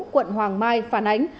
quận hoàng mai phản ánh